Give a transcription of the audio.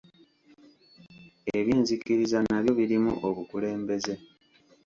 Ebyenzikiriza nabyo birimu obukulembeze.